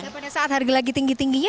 pada saat harga lagi tinggi tingginya